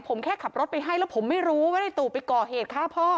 ผมแค่ขับรถไปให้แล้วผมไม่รู้ว่าในตู่ไปก่อเหตุฆ่าพ่อ